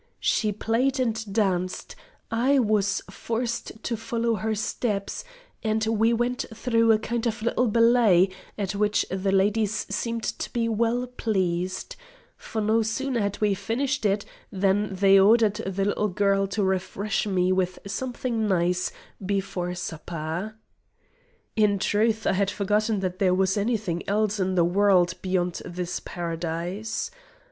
She played and danced; I was forced to follow her steps, and we went through a kind of little ballet, at which the ladies seemed to be well pleased, for no sooner had we finished it, than they ordered the little girl to refresh me with something nice before supper. In truth, I had forgotten that there was any thing else in the world beyond this Paradise.